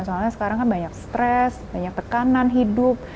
soalnya sekarang kan banyak stres banyak tekanan hidup